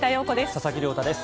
佐々木亮太です。